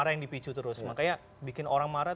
yang dipicu terus makanya bikin orang marah